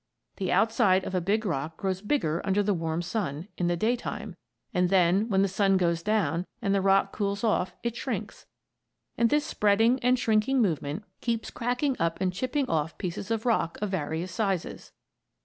The outside of a big rock grows bigger under the warm sun, in the daytime, and then when the sun goes down and the rock cools off it shrinks, and this spreading and shrinking movement keeps cracking up and chipping off pieces of rock of various sizes.